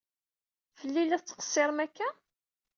Fell-i i la tettqessiṛem akka?